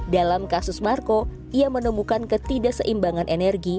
dalam kasus marco ia menemukan ketidakseimbangan energi